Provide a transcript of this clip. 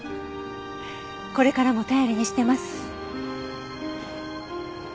これからも頼りにしてます。